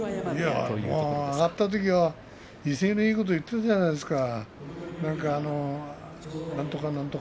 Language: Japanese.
上がったときには威勢のいいことを言っていたじゃないですか。